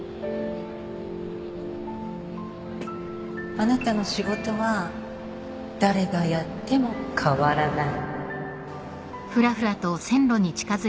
あなたの仕事は誰がやっても変わらない